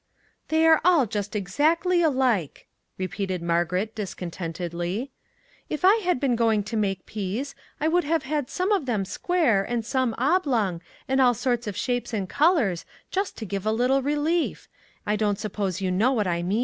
" They are all just exactly alike," repeated Margaret, discontentedly. " If I had been go ing to make peas, I would have had some of them square, and some oblong, and all sorts of shapes and colors, just to give a little relief; I don't suppose you know what I mean."